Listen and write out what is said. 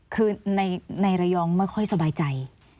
คือในระยองไม่ค่อยสบายใจ